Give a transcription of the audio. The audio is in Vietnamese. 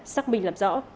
xác minh làm rõ